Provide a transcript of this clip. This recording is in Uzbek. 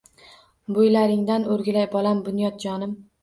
Boʻylaringdan oʻrgilay bolam, Bunyodjonim